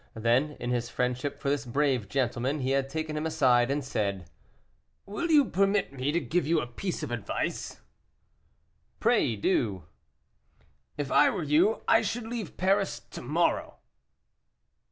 Then, in his friendship for this brave gentleman, he had taken him aside, and said: "Will you permit me to give you a piece of advice?" "Pray do." "If I were you, I should leave Paris to morrow."